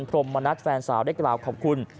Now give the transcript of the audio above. พรมมณัฐแฟนสาวได้กล่าวขอบคุณ